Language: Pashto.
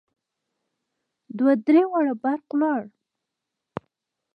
دوه درې واره برق ولاړ.